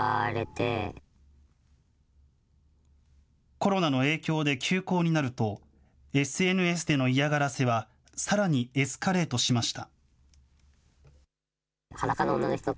コロナの影響で休校になると、ＳＮＳでの嫌がらせは、さらにエスカレートしました。